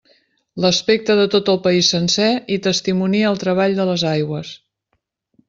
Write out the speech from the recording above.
L'aspecte de tot el país sencer hi testimonia el treball de les aigües.